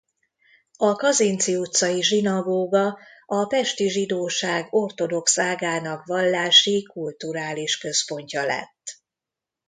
A Kazinczy utcai zsinagóga a pesti zsidóság ortodox ágának vallási-kulturális központja lett.